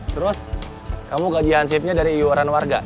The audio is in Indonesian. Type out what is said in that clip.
terus kamu gaji hansipnya dari iuran warga